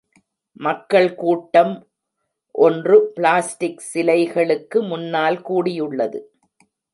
மக்கள் கூட்டம் ஒன்று பிளாஸ்டிக் சிலைகளுக்கு முன்னால் கூடியுள்ளது.